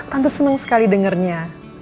tante seneng sekali dengernya